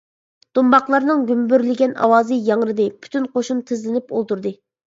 دۇمباقلارنىڭ گۈمبۈرلىگەن ئاۋازى ياڭرىدى، پۈتۈن قوشۇن تىزلىنىپ ئولتۇردى.